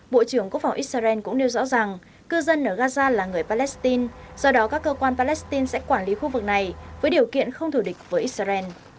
bộ trưởng quốc phòng israel cũng nêu rõ rằng cư dân ở gaza là người palestine do đó các cơ quan palestine sẽ quản lý khu vực này với điều kiện không thủ địch với israel